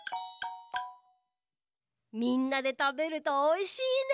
みんなでたべるとおいしいね。